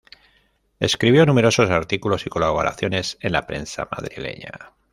Escribió numerosos artículos y colaboraciones en la prensa madrileña.